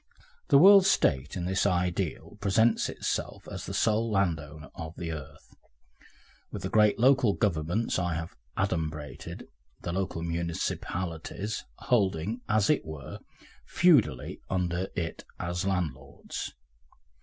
The World State in this ideal presents itself as the sole landowner of the earth, with the great local governments I have adumbrated, the local municipalities, holding, as it were, feudally under it as landlords.